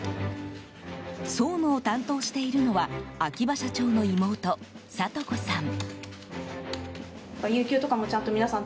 総務を担当しているのは秋葉社長の妹・智子さん。